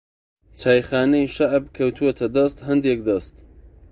چایخانەی شەعب کەوتۆتە دەست ھەندێک دەست